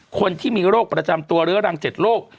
คนที่มีโรคประจำตัวเรื้อรัง๗โรค